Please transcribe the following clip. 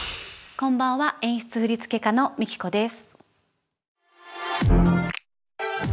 こんばんは演出振付家のＭＩＫＩＫＯです。